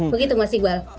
begitu mas iqbal